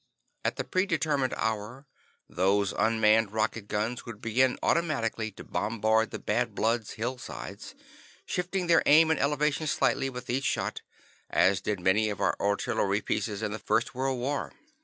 At the predetermined hour, those unmanned rocket guns would begin automatically to bombard the Bad Bloods' hillsides, shifting their aim and elevation slightly with each shot, as did many of our artillery pieces in the First World War.